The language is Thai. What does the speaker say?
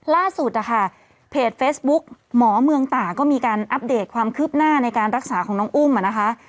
ล่าสุดนะคะเพจเฟซบุ๊กหมอเมืองตาก็มีการอัปเดตความคืบหน้าในการรักษาของน้องอุ้มอ่ะนะคะ